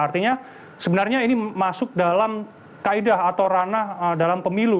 artinya sebenarnya ini masuk dalam kaedah atau ranah dalam pemilu